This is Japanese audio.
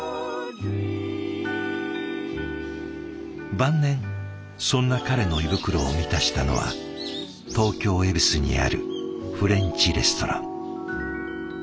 晩年そんな彼の胃袋を満たしたのは東京・恵比寿にあるフレンチレストラン。